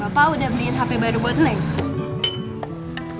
bapak udah beliin hape baru buat nek